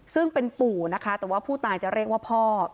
ซึ่งเป็นปู่นะคะแต่ว่าผู้ตายจะเรียกว่าพ่อ